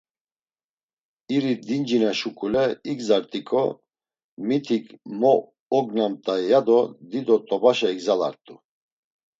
İri dincina şuǩule igzart̆iko, mitik mo ognamt̆ay, ya do dido t̆obaşa igzalart̆u.